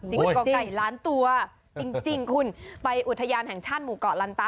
เกาะไก่ล้านตัวจริงคุณไปอุทยานแห่งชาติหมู่เกาะลันตา